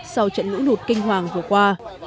sau trận lũ lụt kinh hoàng vừa qua